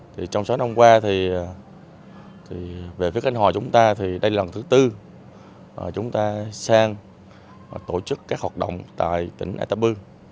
trong sáu năm qua về phía khánh hòa chúng ta đây là lần thứ bốn chúng ta sang tổ chức các hoạt động tại tỉnh atta bư